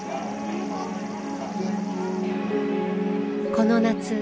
この夏。